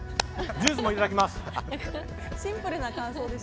ジュースもいただきます。